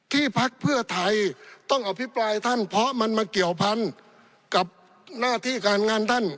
พักเพื่อไทยต้องอภิปรายท่านเพราะมันมาเกี่ยวพันกับหน้าที่การงานท่าน